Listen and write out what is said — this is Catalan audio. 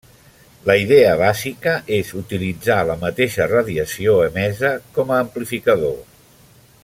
La idea bàsica és utilitzar la mateixa radiació emesa com a amplificador.